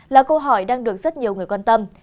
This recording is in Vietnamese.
là câu hỏi đang được rất nhiều người quan tâm